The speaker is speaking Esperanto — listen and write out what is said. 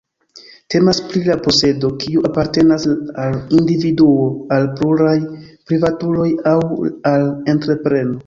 Temas pri la posedo, kiu apartenas al individuo, al pluraj privatuloj aŭ al entrepreno.